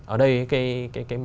ở đây cái